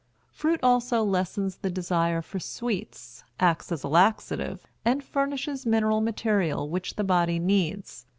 Fruit also lessens the desire for sweets, acts as a laxative, and furnishes mineral material which the body needs.